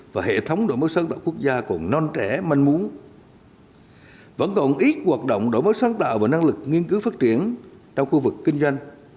vẫn còn ít hoạt động đổi mới sáng tạo và năng lực nghiên cứu phát triển trong khu vực kinh doanh